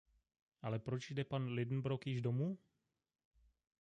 Ale proč jde pan Lidenbrock již domů?